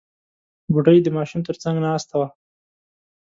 بوډۍ د ماشوم تر څنګ ناسته وه.